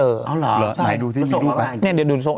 เอาหรือไหนพูดที่มีรูปว่า